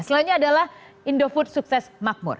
selanjutnya adalah indofood sukses makmur